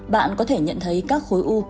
bạn có thể nhận thấy các khối u